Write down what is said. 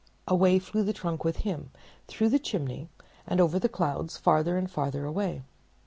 away flew the trunk with him through the chimney and over the clouds farther and farther away.